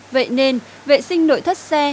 vậy nên vệ sinh nội thất xe